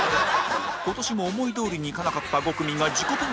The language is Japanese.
今年も思いどおりにいかなかった５組が自己分析